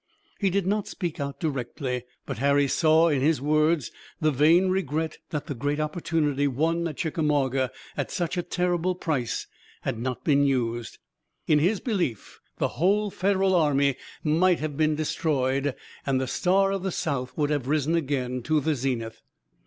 He did not speak out directly, but Harry saw in his words the vain regret that the great opportunity won at Chickamauga at such a terrible price had not been used. In his belief the whole Federal army might have been destroyed, and the star of the South would have risen again to the zenith.